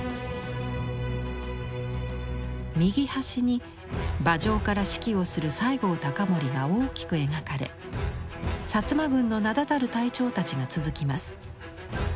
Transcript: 右端に馬上から指揮をする西郷隆盛が大きく描かれ薩摩軍の名だたる隊長たちが続きます。